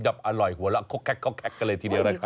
อัร่อยหัวเอ้ยโค้กแค็กกันเลยทีเดียวนะครับ